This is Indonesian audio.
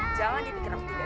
jangan dibikin aku kaya kaya